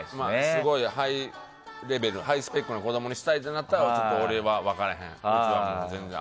すごいハイレベルハイスペックな子供にしたいっていうなら俺は、分からへん。